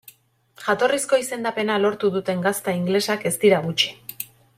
Jatorrizko izendapena lortu duten gazta ingelesak ez dira gutxi.